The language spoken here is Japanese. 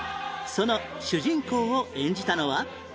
その主人公を演じたのは？